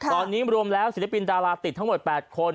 ตอนนี้รวมแล้วศิลปินดาราติดทั้งหมด๘คน